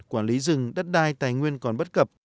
quản lý rừng đất đai tài nguyên còn bất cập